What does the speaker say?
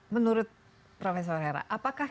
menurut prof hera apakah